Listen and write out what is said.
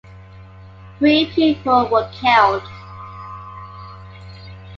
Three people were killed.